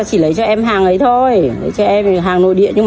tuần hàng ra thị trường